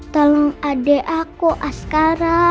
tolong adek aku askara